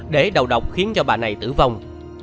để đầu độc khiến cho bà này tử vong